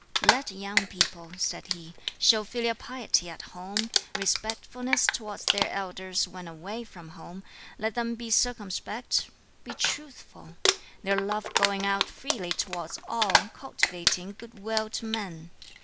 "Let young people," said he, "show filial piety at home, respectfulness towards their elders when away from home; let them be circumspect, be truthful; their love going out freely towards all, cultivating good will to men.